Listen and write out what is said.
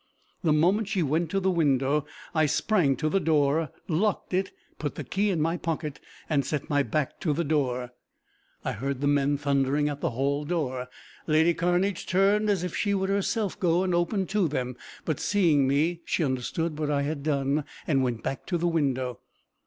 The moment she went to the window, I sprang to the door, locked it, put the key in my pocket, and set my back to the door. I heard the men thundering at the hall door. Lady Cairnedge turned as if she would herself go and open to them, but seeing me, she understood what I had done, and went back to the window.